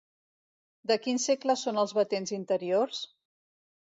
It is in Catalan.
De quin segle són els batents interiors?